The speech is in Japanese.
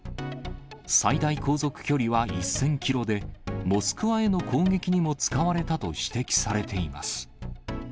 最大航続距離は１０００キロで、モスクワへの攻撃にも使われたと指摘されています。